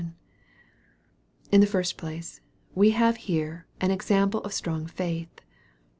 In the first place, we have here an example of strong faith.